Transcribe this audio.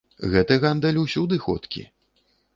Гэты гандаль усюды ходкі.